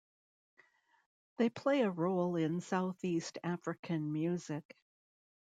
They play a role in southeast African Music.